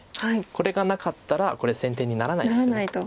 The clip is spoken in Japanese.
これがなかったらこれ先手にならないんですよね。